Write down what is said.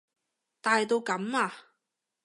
大到噉啊？